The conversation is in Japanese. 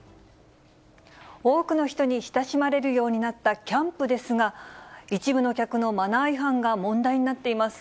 多くの人に親しまれるようになったキャンプですが、一部の客のマナー違反が問題になっています。